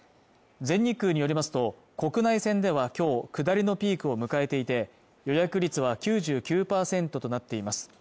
全日空によりますと国内線では今日下りのピークを迎えていて予約率は９９％となっています